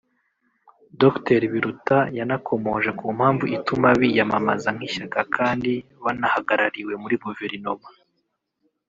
Dr Biruta yanakomoje ku mpamvu ituma biyamamaza nk’ishyaka kandi banahagarariwe muri guverinoma